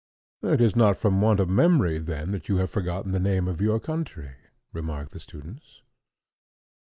"It is not from want of memory, then, that you have forgotten the name of your country," remarked the students.